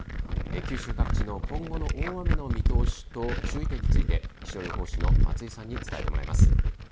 九州各地の今後の大雨の見通しと注意点について気象予報士の松井さんに伝えてもらいます。